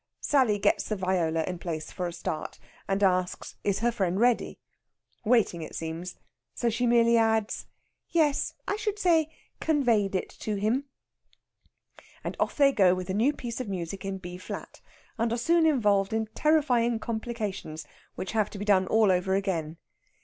Sally gets the viola in place for a start, and asks is her friend ready? Waiting, it seems; so she merely adds, "Yes, I should say conveyed it to him." And off they go with the new piece of music in B flat, and are soon involved in terrifying complications which have to be done all over again.